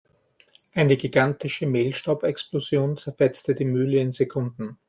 Eine gigantische Mehlstaubexplosion zerfetzte die Mühle in Sekunden.